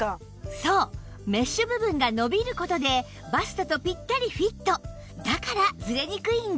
そうメッシュ部分が伸びる事でバストとピッタリフィットだからずれにくいんです